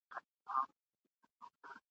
چي غوايي غوښو ته وکتل حیران سو ..